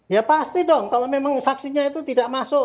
ya pasti dong kalau memang saksinya itu tidak masuk